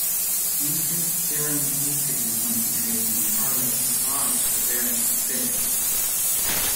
Increased serum estrogen concentrations correlate with large ovarian cysts.